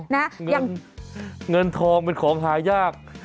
เงินทองเป็นของหายาก